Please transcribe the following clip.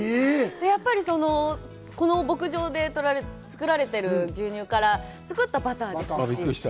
やっぱりこの牧場で作られている牛乳から作ったバターですし。